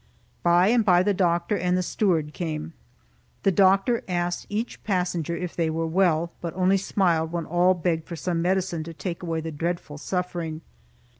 By and by the doctor and the steward came. The doctor asked each passenger if they were well, but only smiled when all begged for some medicine to take away the dreadful suffering.